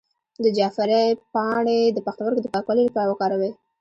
د جعفری پاڼې د پښتورګو د پاکوالي لپاره وکاروئ